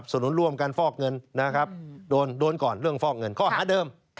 นุนร่วมกันฟอกเงินนะครับโดนก่อนเรื่องฟอกเงินข้อหาเดิม